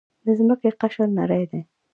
د ځمکې قشر نری دی.